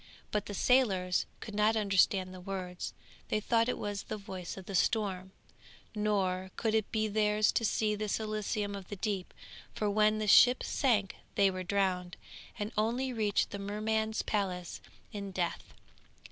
But the sailors could not understand the words, they thought it was the voice of the storm; nor could it be theirs to see this Elysium of the deep, for when the ship sank they were drowned, and only reached the Merman's palace in death.